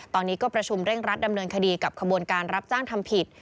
ตอนนี้ก็ประชุมเร่งรัดดำเนินคดีกับขบวนการรับจ้างทำผิด